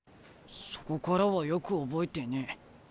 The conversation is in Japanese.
そこからはよく覚えてねえ。